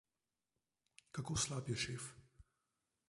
Kako slab je šef?